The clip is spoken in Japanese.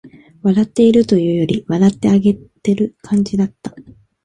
笑っているというより、笑ってあげてる感じだった